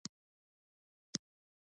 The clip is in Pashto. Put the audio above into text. بُست او پروان په هندوستان کې وبولو.